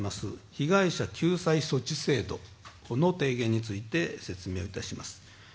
被害者救済措置制度、この提言について説明をいたします。